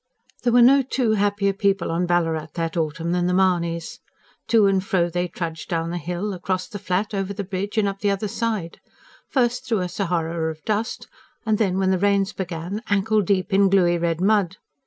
There were no two happier people on Ballarat that autumn than the Mahonys. To and fro they trudged down the hill, across the Flat, over the bridge and up the other side; first, through a Sahara of dust, then, when the rains began, ankle deep in gluey red mud.